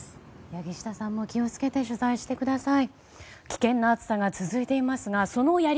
柳下さんも気をつけて取材してください。